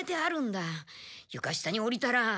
ゆか下に下りたら。